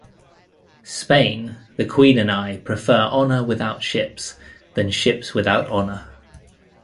Spain, the Queen and I prefer honor without ships than ships without honor.